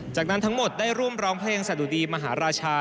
จากนั้นทั้งหมดได้ร่วมร้องเพลงสะดุดีมหาราชา